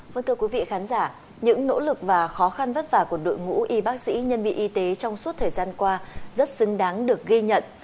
vâng thưa quý vị khán giả những nỗ lực và khó khăn vất vả của đội ngũ y bác sĩ nhân viên y tế trong suốt thời gian qua rất xứng đáng được ghi nhận